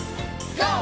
ＧＯ！